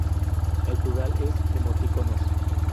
El plural es "emoticonos".